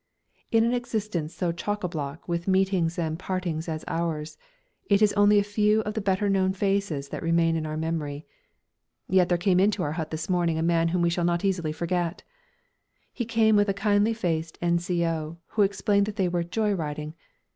In an existence so choc à bloc with meetings and partings as ours, it is only a few of the better known faces that remain in our memory. Yet there came into our hut this morning a man whom we shall not easily forget! He came with a kindly faced N.C.O., who explained that they were "joy riding."